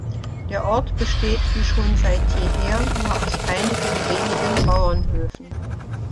Der Ort besteht wie schon seit jeher nur aus einigen wenigen Bauernhöfen.